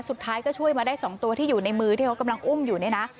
สุดท้ายก็ช่วยมาได้๒ตัวที่อยู่ในมือที่เขากำลังอุ้มอยู่เนี่ยนะ